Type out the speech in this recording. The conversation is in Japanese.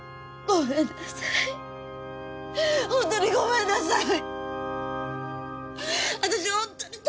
ごめんなさい！